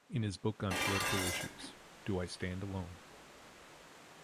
In his book on political issues, Do I Stand Alone?